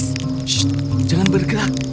shh jangan bergerak